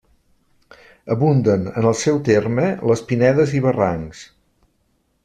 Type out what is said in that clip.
Abunden en el seu terme les pinedes i barrancs.